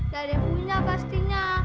ya ada yang punya pastinya